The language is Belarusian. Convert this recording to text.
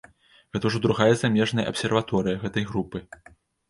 Гэта ўжо другая замежная абсерваторыя гэтай групы.